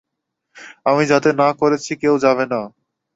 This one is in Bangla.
আমি যাতে না করেছি কেউ যাবে না।